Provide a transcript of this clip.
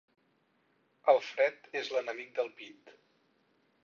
El fred és l'enemic del pit.